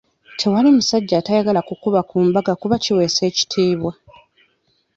Tewali musajja atayagala kukuba ku mbaga kuba kiweesa nnyo ekitiibwa.